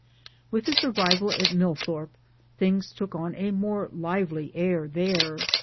With his arrival at Millthorpe things took on a more lively air there.